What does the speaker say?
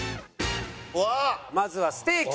まずはステーキ！